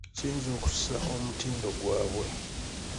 Kiyinza okussa omutindo gwabwe.